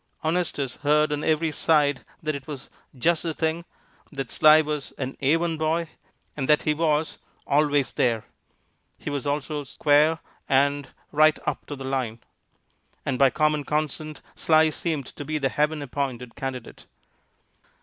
Honestus heard on every side that it was "just the thing;" that Sly was "an A1 boy," and that he was "always there;" he was also "square," and "right up to the line;" and by common consent Sly seemed to be the Heaven appointed candidate.